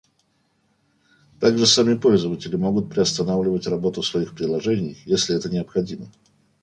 Также сами пользователи могут приостанавливать работу своих приложений, если это необходимо